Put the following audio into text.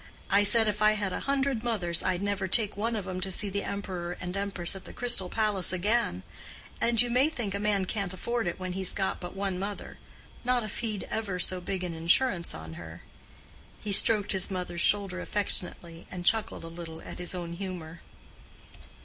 I said if I had a hundred mothers I'd never take one of 'em to see the Emperor and Empress at the Crystal Palace again; and you may think a man can't afford it when he's got but one mother—not if he'd ever so big an insurance on her." He stroked his mother's shoulder affectionately, and chuckled a little at his own humor.